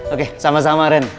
oke sama sama ren